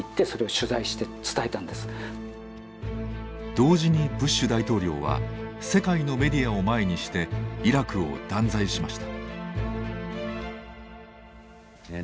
同時にブッシュ大統領は世界のメディアを前にしてイラクを断罪しました。